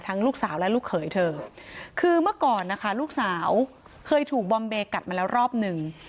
ลูกสาวและลูกเขยเธอคือเมื่อก่อนนะคะลูกสาวเคยถูกบอมเบกัดมาแล้วรอบหนึ่ง